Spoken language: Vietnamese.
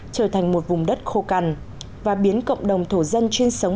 trở thành một vùng đất khô cằn và biến cộng đồng thổ dân chuyên sống